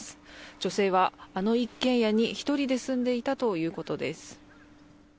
女性はあの一軒家に１人で住んでいたということです。